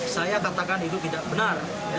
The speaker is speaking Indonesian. saya katakan itu tidak benar